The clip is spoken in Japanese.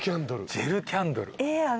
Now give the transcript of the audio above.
ジェルキャンドル。